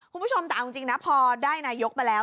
คุณผู้ชมแต่เอาจริงนะพอได้นายกมาแล้ว